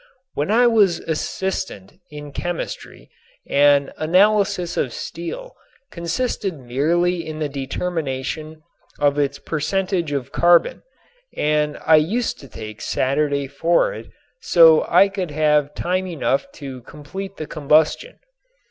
When I was assistant in chemistry an "analysis" of steel consisted merely in the determination of its percentage of carbon, and I used to take Saturday for it so I could have time enough to complete the combustion.